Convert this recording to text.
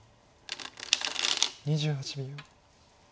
２８秒。